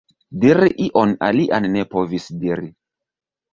Diri ion alian ne povis diri.